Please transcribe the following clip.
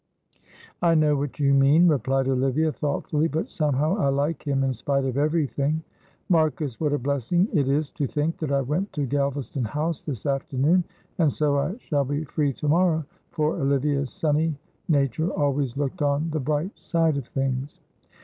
"I know what you mean," replied Olivia, thoughtfully, "but somehow I like him in spite of everything; Marcus, what a blessing it is to think that I went to Galvaston House this afternoon, and so I shall be free to morrow," for Olivia's sunny, nature always looked on the bright side of things.